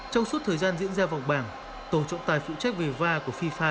trong suốt thời gian diễn ra vòng bảng tổ trọng tài phụ trách về va của fifa